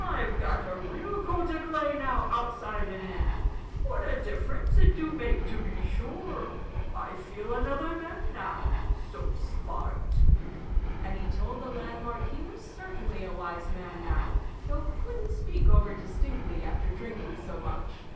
"I've got a real coat o' clay now outside and in what a difference it do make, to be sure. I feel another man now so smart." And he told the landlord he was certainly a wise man now, though he couldn't speak over distinctly after drinking so much.